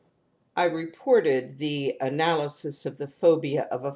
I reported the " Analysis of the Phobia of a •«• M.